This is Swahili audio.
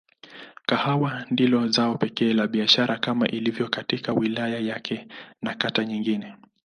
Kahawa ndilo zao pekee la biashara kama ilivyo katika wilaya yake na kata nyingine.